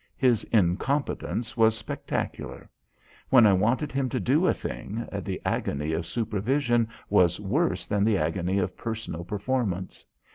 His incompetence was spectacular. When I wanted him to do a thing, the agony of supervision was worse than the agony of personal performance.